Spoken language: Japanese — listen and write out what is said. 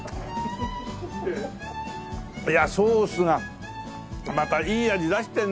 いやソースがまたいい味出してるね。